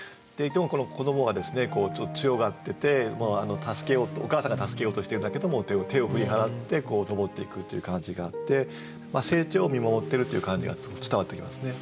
子どもがですねちょっと強がっててお母さんが助けようとしてるんだけども手を振り払って登っていくという感じがあって成長を見守ってるという感じが伝わってきますね。